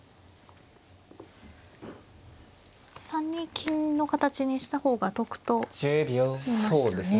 ３二金の形にした方が得と見ましたね。